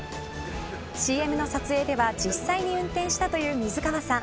ＣＭの撮影では実際に運転したという水川さん